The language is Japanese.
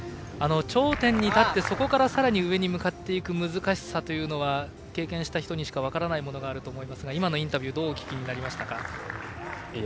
頂点に立って、そこからさらに上に向かっていく難しさというのは経験した人にしか分からないものがあると思いますが今のインタビューどうお聞きになりましたか？